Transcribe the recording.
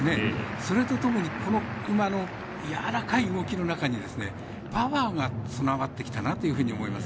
それが特に、この馬のやわらかい動きの中にパワーがつながってきたなというふうに思います。